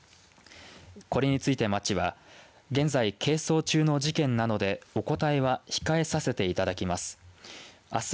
これについて町は現在、係争中の事件なのでお答えは控えさせていただきます。